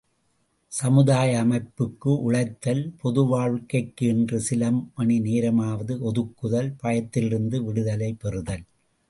சமுதாய அமைப்புக்கு உழைத்தல், பொதுவாழ்க்கைக்கு என்று சில மணி நேரமாவது ஒதுக்குதல், பயத்திலிருந்து விடுதலை பெறுதல்!